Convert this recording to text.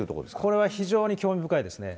これは非常に興味深いですね。